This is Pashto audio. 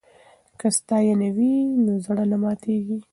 که ستاینه وي نو زړه نه ماتیږي.